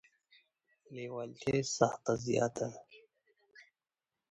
لیوالتیا یې زښته زیاته ده.